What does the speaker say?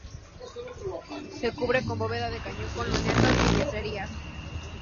Se cubre con bóveda de cañón con lunetos y yeserías.